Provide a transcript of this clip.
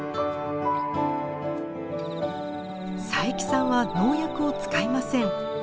佐伯さんは農薬を使いません。